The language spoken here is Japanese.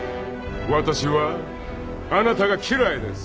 わたしはあなたが嫌いです。